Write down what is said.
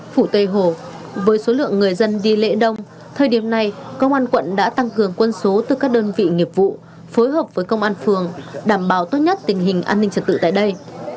phủ tây hồ với số lượng người dân đi lễ đông thời điểm này công an quận đã tăng cường quân số từ các đơn vị nghiệp vụ phối hợp với công an phường đảm bảo tốt nhất tình hình an ninh trật tự tại đây